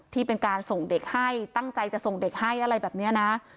ที่เป็นการส่งเด็กให้ตั้งใจจะส่งเด็กให้อะไรแบบนี้นะ